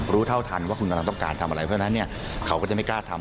เท่าทันว่าคุณกำลังต้องการทำอะไรเพราะฉะนั้นเนี่ยเขาก็จะไม่กล้าทำ